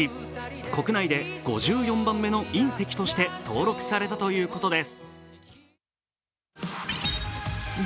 国内で５４番目の隕石として登録されたということです。